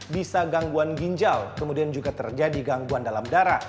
bisa gangguan ginjal kemudian juga terjadi gangguan dalam darah